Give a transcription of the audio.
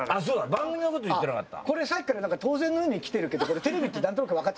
番組のこと言ってなかった。